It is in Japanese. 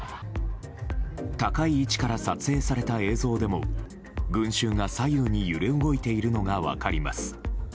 高い位置から撮影された映像でも群衆が左右に揺れ動いているのが分かります。